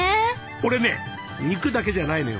俺ね肉だけじゃないのよ。